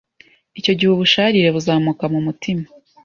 icyo gihe ubusharire buzamuka mu mutima